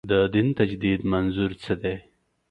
د دین تجدید منظور څه دی.